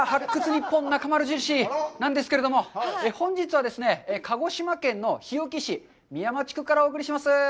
ニッポンなかまる印」なんですけれども、本日はですね、鹿児島県の日置市美山地区からお送りします。